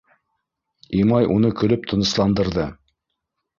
Имай уны көлөп тынысландырҙы: